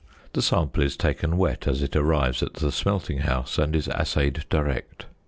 The sample is taken wet as it arrives at the smelting house, and is assayed direct.